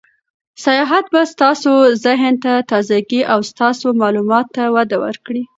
سیاحت به ستاسو ذهن ته تازه ګي او ستاسو معلوماتو ته وده ورکړي.